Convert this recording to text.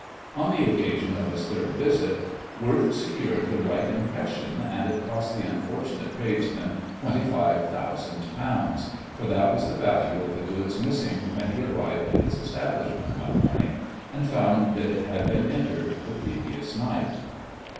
On the occasion of his third visit Worth secured the right impression and it cost the unfortunate tradesman twenty five thousand pounds, for that was the value of the goods missing when he arrived at his establishment one morning and found that it had been entered the previous night.